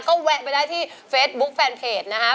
ก็แวะไปได้ที่เฟซบุ๊คแฟนเพจนะครับ